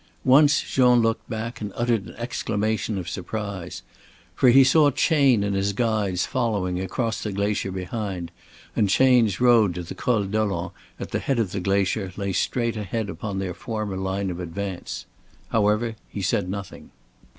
Once Jean looked back and uttered an exclamation of surprise. For he saw Chayne and his guides following across the glacier behind, and Chayne's road to the Col Dolent at the head of the glacier lay straight ahead upon their former line of advance. However he said nothing.